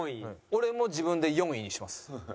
俺も自分で４位にしてます。